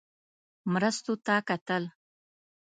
مرستو ته کتل.